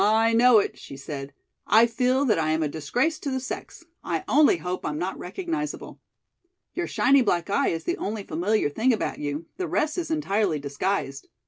"I know it," she said. "I feel that I am a disgrace to the sex. I only hope I'm not recognizable." "Your shiny black eye is the only familiar thing about you. The rest is entirely disguised."